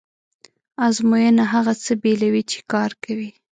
ازموینه هغه څه بېلوي چې کار کوي.